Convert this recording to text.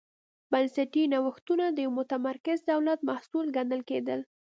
بنسټي نوښتونه د یوه متمرکز دولت محصول ګڼل کېدل.